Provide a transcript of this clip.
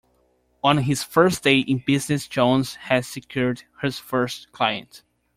On his first day in business Jones had secured his first client.